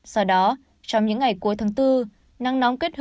sau đó trong những ngày cuối tháng bốn